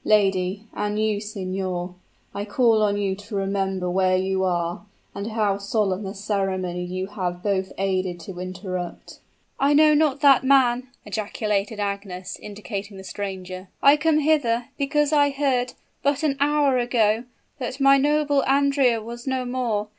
Lady and you, signor I call on you to remember where you are, and how solemn a ceremony you have both aided to interrupt." "I know not that man!" ejaculated Agnes, indicating the stranger. "I come hither, because I heard but an hour ago that my noble Andrea was no more.